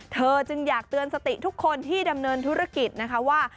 เธอจึงอยากเตือนสติทุกคนที่ดำเนินธุรกิจนะคะว่า